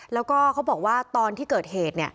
แล้วก็เขาบอกว่าตอนที่เกิดเหตุ